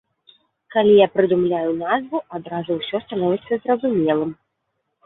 Калі я прыдумляю назву, адразу ўсё становіцца зразумелым.